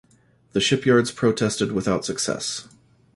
The shipyards protested without success.